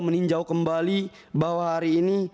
meninjau kembali bahwa hari ini